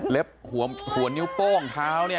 เล็บหัวนิ้วโป้งเนี่ย